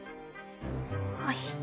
はい。